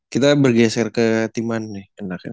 kita bergeser ke timan nih